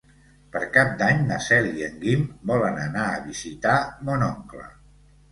Per Cap d'Any na Cel i en Guim volen anar a visitar mon oncle.